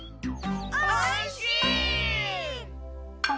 おいしい！